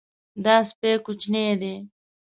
دا سپی کوچنی دی.